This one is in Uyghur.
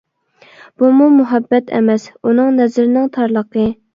-بۇمۇ مۇھەببەت ئەمەس، ئۇنىڭ نەزىرىنىڭ تارلىقى.